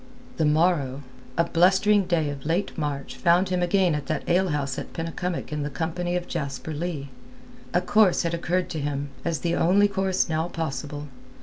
The morrow—a blustering day of late March found him again at that alehouse at Penycumwick in the company of Jasper Leigh. A course had occurred to him, as the only course now possible.